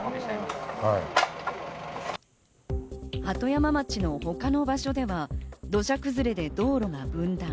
鳩山町の他の場所では、土砂崩れで道路が分断。